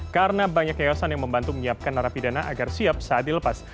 karena banyak yayasan yang membantu menyiapkan narapidana agar siap saat dilepas